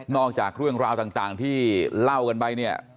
จากเรื่องราวต่างที่เล่ากันไปเนี่ย